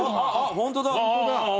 ホントだ！